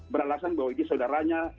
beralasan bahwa ini saudaranya